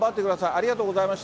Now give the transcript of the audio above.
ありがとうございます。